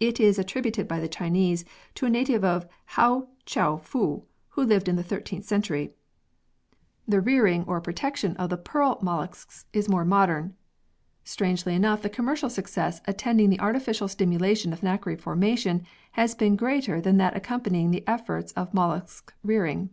It is attributed by the Chinese to a native of Hou Tcheou Fou who lived in the 13th century. The rearing or protection of the pearl molluscs 128 PEARLS [CH. is more modern. Strangely enough the commercial success attending the artificial stimulation of nacre formation has been greater than that accompanying the efforts of mollusc rearing.